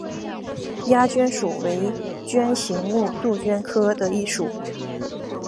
鸦鹃属为鹃形目杜鹃科的一属。